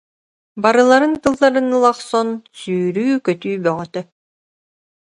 Барыларын тылларын ыла охсон, сүүрүү-көтүү бөҕөтө.